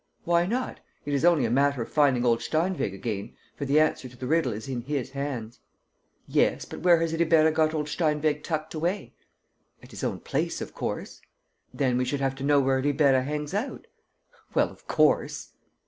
"Why not? It is only a matter of finding old Steinweg again, for the answer to the riddle is in his hands." "Yes, but where has Ribeira got old Steinweg tucked away?" "At his own place, of course." "Then we should have to know where Ribeira hangs out." "Well, of course!"